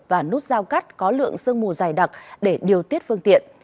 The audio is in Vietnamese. và nút giao cắt có lượng sương mù dày đặc để điều tiết phương tiện